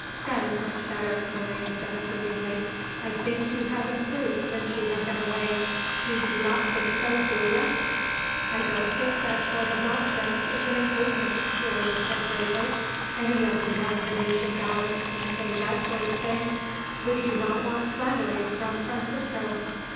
"That is much better," Maria said approvingly. "I think you have improved since you have been away. Do you not think so, Giulia?" "I don't think that sort of nonsense is an improvement," Giulia said gravely. "Any of the young Venetian gallants can say that sort of thing. We do not want flattery from Francisco."